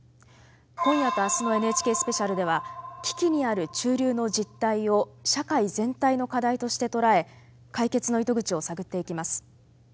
今夜と明日の「ＮＨＫスペシャル」では危機にある中流の実態を社会全体の課題として捉え解決の糸口を探っていきます。